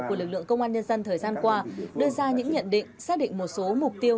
của lực lượng công an nhân dân thời gian qua đưa ra những nhận định xác định một số mục tiêu